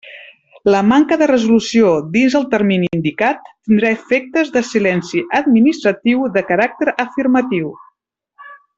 La manca de resolució dins el termini indicat tindrà efectes de silenci administratiu de caràcter afirmatiu.